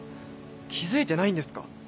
気付いてないんですか？